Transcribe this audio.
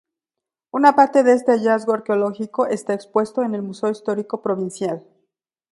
Una parte de este hallazgo arqueológico está expuesto en el Museo Histórico Provincial.